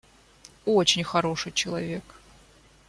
Очень хороший человек.